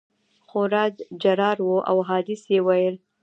خورا جرار وو او احادیث یې ویل.